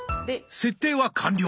設定は完了。